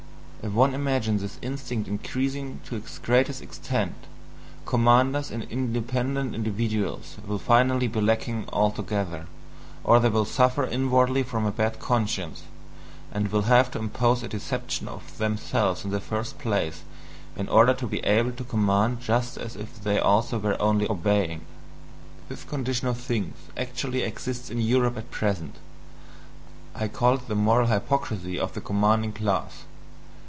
If one imagine this instinct increasing to its greatest extent, commanders and independent individuals will finally be lacking altogether, or they will suffer inwardly from a bad conscience, and will have to impose a deception on themselves in the first place in order to be able to command just as if they also were only obeying. This condition of things actually exists in Europe at present I call it the moral hypocrisy of the commanding class.